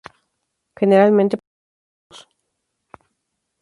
Generalmente ponen dos huevos.